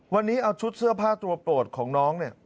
วันนี้เอาชุดเสื้อผ้าตัวโปรดของน้องเนี่ย